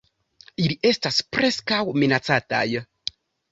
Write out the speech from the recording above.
Ili estas Preskaŭ Minacataj.